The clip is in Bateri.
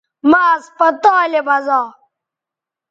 مہ اسپتالے بزا